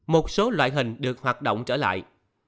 một số loại hình được hoạt động trở lại